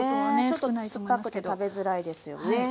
ちょっと酸っぱくて食べづらいですよね。